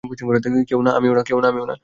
কেউ না, আমিও না।